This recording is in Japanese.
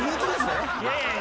いやいや。